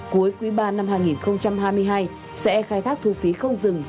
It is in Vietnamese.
cuối quý ba năm hai nghìn hai mươi hai sẽ khai thác thu phí không dừng